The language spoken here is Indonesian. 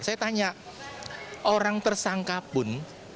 saya tanya orang tersangka pun